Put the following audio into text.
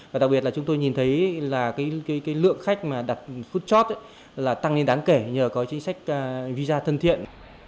và đặc biệt là chúng tôi nhìn thấy lượng khách đặt phút chót tăng lên đáng kể nhờ có chính sách visa thân thiện